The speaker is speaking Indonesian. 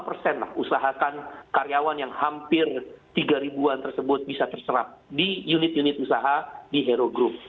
lima puluh persen lah usahakan karyawan yang hampir tiga ribuan tersebut bisa terserap di unit unit usaha di hero group